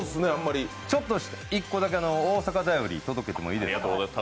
ちょっと１個だけ、大阪だより届けてもいいですか？